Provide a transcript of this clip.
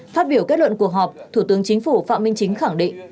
phát biểu kết luận cuộc họp thủ tướng chính phủ phạm minh chính khẳng định